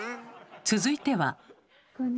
続いては。